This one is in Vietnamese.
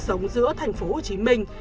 sống giữa thành phố hồ chí minh